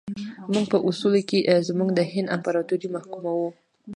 موږ په اصولو کې زموږ د هند امپراطوري محکوموو.